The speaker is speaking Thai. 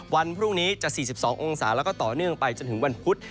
วันพรุ่งนี้จะ๔๒องศาแล้วก็ต่อเนื่องไปจนถึงวันพุธ